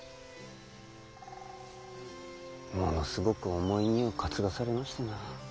ものすごく重い荷を担がされましてな。